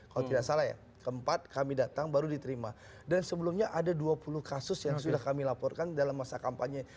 kalau tidak salah ya keempat kami datang baru diterima dan sebelumnya ada dua puluh kasus yang sudah kami laporkan dalam masa kampanye